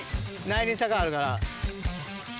内輪差があるから。